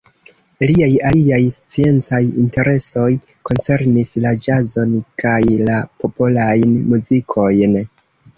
Liaj aliaj sciencaj interesoj koncernis la ĵazon kaj la popolajn muzikojn.